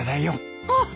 あっ！